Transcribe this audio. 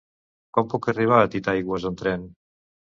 Com puc arribar a Titaigües amb tren?